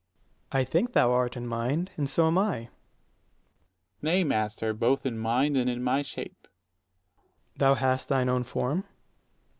S._ I think thou art in mind, and so am I. 195 Dro. S. Nay, master, both in mind and in my shape. Ant. S. Thou hast thine own form.